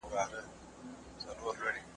هره ورځ سبزیجات خورم!.